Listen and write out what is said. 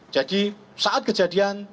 jadi saat kejadian